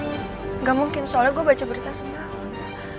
tidak mungkin soalnya gue baca berita semalam